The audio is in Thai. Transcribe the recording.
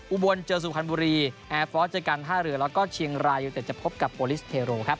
อุบลเจอสุพรรณบุรีแอร์ฟอร์สเจอกันท่าเรือแล้วก็เชียงรายยูเต็ดจะพบกับโอลิสเทโรครับ